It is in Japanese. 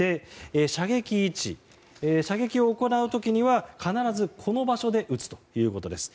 射撃位置、射撃を行う時には必ずこの場所で撃つということです。